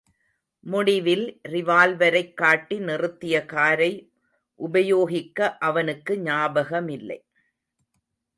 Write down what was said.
முடிவில் ரிவால்வரைக் காட்டி நிறுத்திய காரை உபயோகிக்க அவனுக்கு ஞாகபமில்லை.